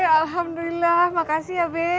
alhamdulillah makasih ya abe